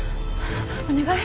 お願い。